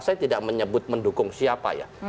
saya tidak menyebut mendukung siapa ya